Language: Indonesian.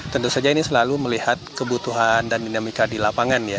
tentu saja ini selalu melihat kebutuhan dan dinamika di lapangan ya